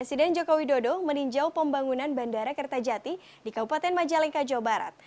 presiden joko widodo meninjau pembangunan bandara kertajati di kabupaten majalengka jawa barat